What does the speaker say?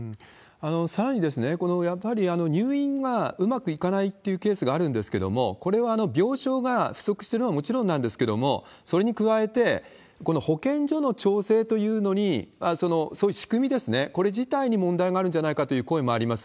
さらにこの、やっぱり入院がうまくいかないというケースがあるんですけれども、これは病床が不足しているのはもちろんなんですけれども、それに加えて、この保健所の調整というのに、そういう仕組みですね、これ自体に問題があるんじゃないかという声もあります。